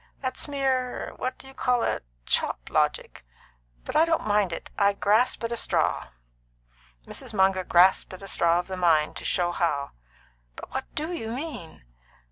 That's mere what do you call it? chop logic. But I don't mind it. I grasp at a straw." Mrs. Munger grasped at a straw of the mind, to show how. "But what do you mean?"